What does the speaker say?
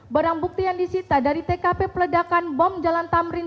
barang bukti yang disita dari tkp peledakan bom jalan tamrin